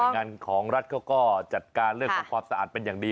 งานของรัฐเขาก็จัดการเรื่องของความสะอาดเป็นอย่างดี